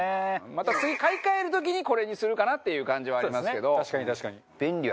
また次買い換える時にこれにするかなっていう感じはありますけど。